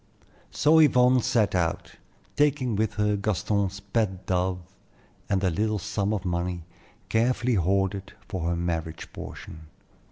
So Yvonne set out, taking with her Gaston's pet dove and the little sum of money carefully hoarded for her marriage portion.